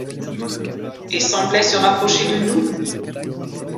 et semblait se rapprocher de nous ?